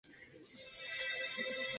Está situado en la Sierra de Pardos.